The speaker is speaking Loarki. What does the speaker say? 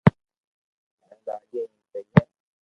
مني لاگيي ايم سھي ھي